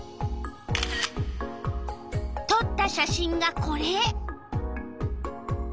とった写真がこれ。